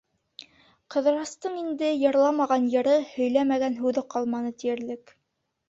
Ҡыҙырастың инде йырламаған йыры, һөйләмәгән һүҙе ҡалманы тиерлек.